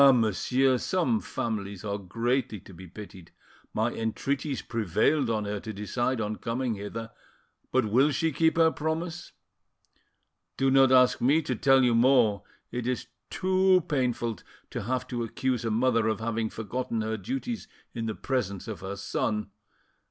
monsieur, some families are greatly to be pitied! My entreaties prevailed on her to decide on coming hither, but will she keep her promise? Do not ask me to tell you more; it is too painful to have to accuse a mother of having forgotten her duties in the presence of her son